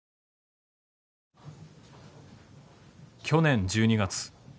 去年１２月。